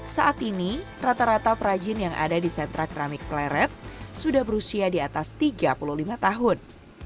saat ini rata rata perajin yang ada di sentra keramik pleret sudah berusia di atas tiga puluh lima tahun